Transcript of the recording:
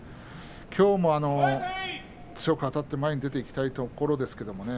きょうも強くあたって前に出ていきたいところですがね